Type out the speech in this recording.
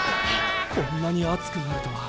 こんなに熱くなるとは。